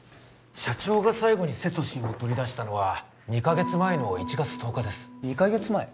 社長が最後にセトシンを取り出したのは２カ月前の１月１０日です２カ月前？